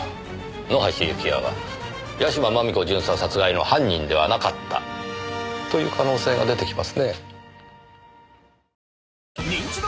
野橋幸也は屋島真美子巡査殺害の犯人ではなかったという可能性が出て来ますね。